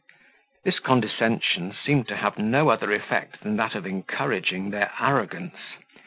This condescension seemed to have no other effect than that of encouraging their arrogance.